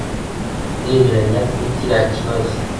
Ndemeranya kuri kiriya kibazo